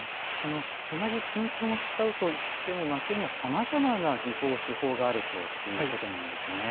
同じ金粉を使うといっても蒔絵にはさまざまな技法手法があるということなんですね。